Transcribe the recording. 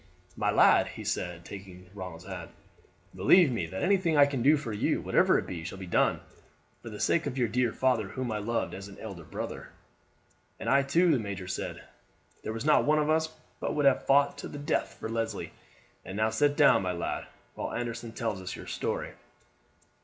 My lad," he said, taking Ronald's hand, "believe me that anything that I can do for you, whatever it be, shall be done, for the sake of your dear father, whom I loved as an elder brother." "And I too," the major said. "There was not one of us but would have fought to the death for Leslie. And now sit down, my lad, while Anderson tells us your story."